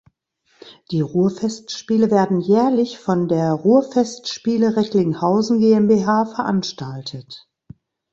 Die Ruhrfestspiele werden jährlich von der "Ruhrfestspiele Recklinghausen GmbH" veranstaltet.